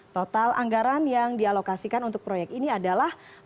total anggaran yang dialokasikan untuk proyek ini adalah